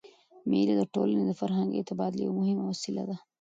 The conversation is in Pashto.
مېلې د ټولني د فرهنګي تبادلې یوه مهمه وسیله ده.